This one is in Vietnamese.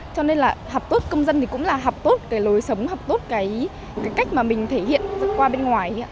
cho nên là học tốt công dân thì cũng là học tốt cái lối sống học tốt cái cách mà mình thể hiện ra qua bên ngoài ấy ạ